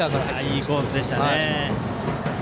いいコースでしたね。